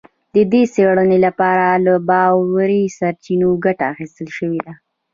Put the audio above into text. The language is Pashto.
د دې څېړنې لپاره له باوري سرچینو ګټه اخیستل شوې ده